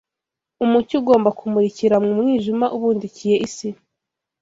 umucyo ugomba kumurikira mu mwijima ubundikiye isi.